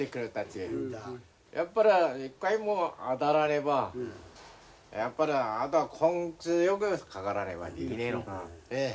やっぱり一回も当たらねばやっぱりあとは根気よくかからねばできねえの。